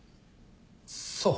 そう？